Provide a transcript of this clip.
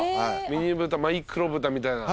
ミニ豚マイクロ豚みたいな。